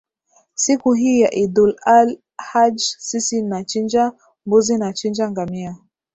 siku hii ya iddul al haj sisi nachinja mbuzi nachinja ngamia